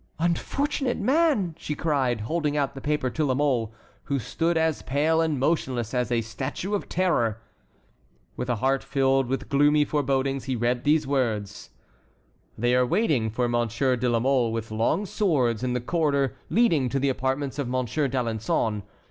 "Unfortunate man!" she cried, holding out the paper to La Mole, who stood as pale and motionless as a statue of Terror. With a heart filled with gloomy forebodings he read these words: "They are waiting for Monsieur de la Mole, with long swords, in the corridor leading to the apartments of Monsieur d'Alençon.